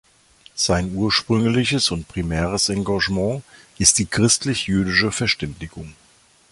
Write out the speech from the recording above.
Sein ursprüngliches und primäres Engagement ist die christlich-jüdische Verständigung.